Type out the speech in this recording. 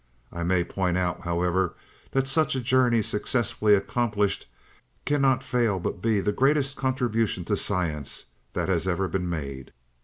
I may point out, however, that such a journey successfully accomplished cannot fail but be the greatest contribution to science that has ever been made.